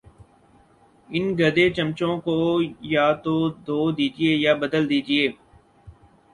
ان گدے چمچوں کو یا تو دھو دیجئے یا بدل دیجئے